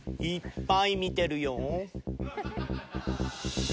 いっぱい見てるよ。